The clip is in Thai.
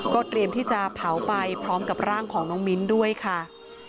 เตรียมที่จะเผาไปพร้อมกับร่างของน้องมิ้นด้วยค่ะ